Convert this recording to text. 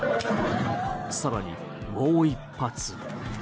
更にもう一発。